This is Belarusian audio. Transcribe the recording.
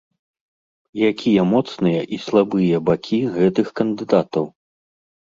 Якія моцныя і слабыя бакі гэтых кандыдатаў?